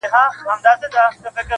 نجلۍ د سخت درد سره مخ کيږي او چيغي وهي,